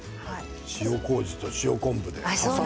塩こうじと塩昆布で。